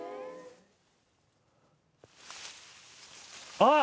あっ！